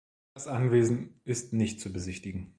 Das Anwesen ist nicht zu besichtigen.